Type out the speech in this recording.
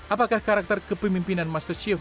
apakah karakter kepemimpinan master chief